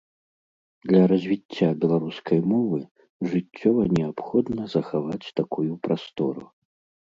Для развіцця беларускай мовы жыццёва неабходна захаваць такую прастору.